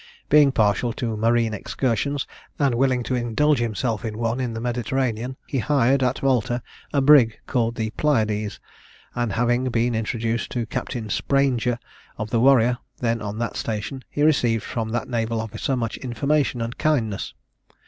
Being partial to marine excursions, and willing to indulge himself in one in the Mediterranean, he hired, at Malta, a brig called the Pylades; and having been introduced to Captain Sprainger, of the Warrior, then on that station, he received from that naval officer much information and kindness.